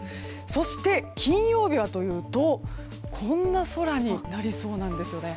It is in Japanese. そして金曜日はというとこんな空になりそうなんですね。